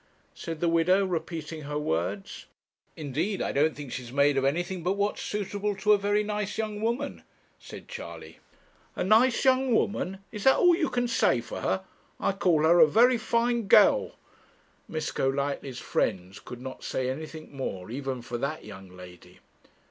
said the widow, repeating her words. 'Indeed I don't think she's made of anything but what's suitable to a very nice young woman,' said Charley. 'A nice young woman! Is that all you can say for her? I call her a very fine girl.' Miss Golightly's friends could not say anything more, even for that young lady.